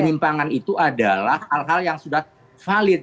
penyimpangan itu adalah hal hal yang sudah valid